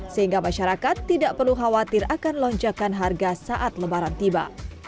sehingga masyarakat tidak perlu khawatir akan lonjakan harga saat lebaran tiba